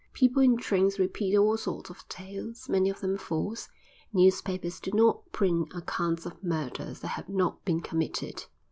People in trains repeat all sorts of tales, many of them false; newspapers do not print accounts of murders that have not been committed.